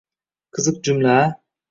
Qiziq jumla a?